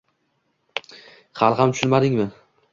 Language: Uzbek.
Hali ham tushunmadingmi